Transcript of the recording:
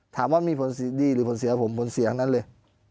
ถามว่ามีผลดีหรือผลเสียผมผลเสียทั้งนั้นเลย